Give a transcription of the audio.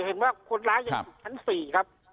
เห็นว่าคนร้ายถ้าเปลี่ยนกลางสี่ครับ